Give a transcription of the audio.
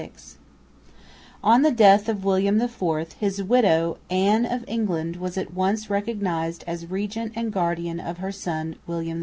1751 1766 On the death of William IV, his widow, Anne of England, was at once recognised as regent and guardian of her son William V.